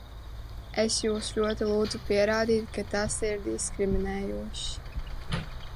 Es jūs ļoti lūdzu pierādīt, ka tas ir diskriminējošs!